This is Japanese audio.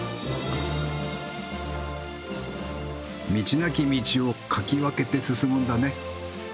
なき道をかき分けて進むんだね。